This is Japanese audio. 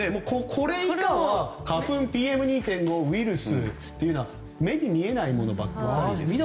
これ以下の、花粉ＰＭ２．５、ウイルスなどは目に見えないものばかりですね。